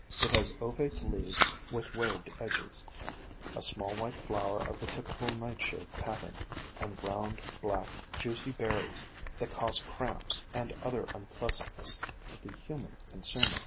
It has ovate leaves with waved edges, a POISONOUS PLANTS 179 small white flower of the typical Nightshade pat tern, and round, black, juicy berries that cause cramps and other unpleasantness to the human consumer.